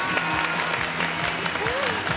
よし！